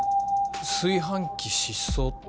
「炊飯器失踪」って。